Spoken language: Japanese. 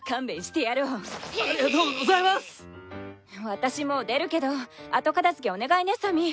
私もう出るけど後片づけお願いねさみ。